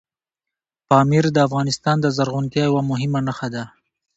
پامیر د افغانستان د زرغونتیا یوه مهمه نښه ده.